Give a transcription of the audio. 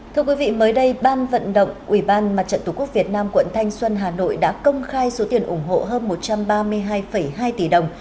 thưa quý vị mới đây ban vận động ủy ban mặt trận tổ quốc việt nam quận thanh xuân hà nội đã công khai số tiền ủng hộ hơn một trăm ba mươi hai hai tỷ đồng